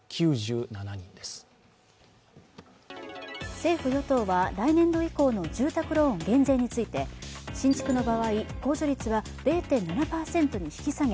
政府・与党は来年度以降の住宅ローン減税について新築の場合、控除率は０．７％に引き下げ